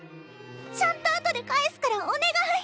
ちゃんと後で返すからお願い